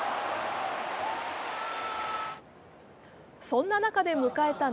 そんな中で迎えた